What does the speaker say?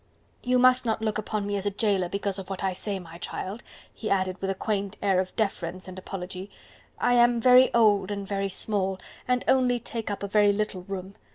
"You must not look upon me as a jailer because of what I say, my child," he added with a quaint air of deference and apology. "I am very old and very small, and only take up a very little room.